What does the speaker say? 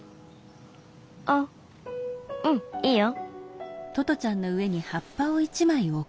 あっうんいいよ。